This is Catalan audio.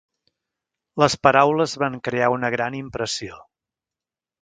Les paraules van crear una gran impressió.